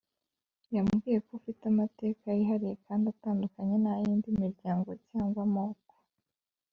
Yambwiye ko ufite amateka yihariye kandi atandukanye n’ay’indi miryango cyangwa amoko